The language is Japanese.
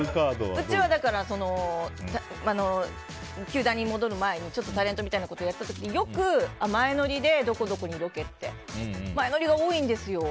うちは、だから球団に戻る前にちょっとタレントみたいなことしてた時によく前乗りでどこどこにロケって前乗りが多いんです。